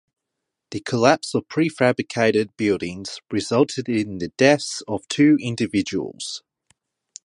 The collapse of prefabricated buildings resulted in the deaths of two individuals.